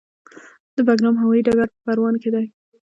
د بګرام هوايي ډګر په پروان کې دی